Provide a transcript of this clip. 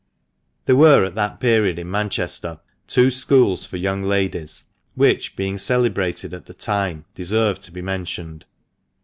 There were at that period in Manchester two schools for young ladies, which, being celebrated at the time, deserve to be mentioned.